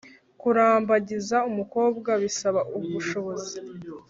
kurambagiza umukobwa bisaba ubushobozi